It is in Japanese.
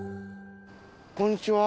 こんにちは。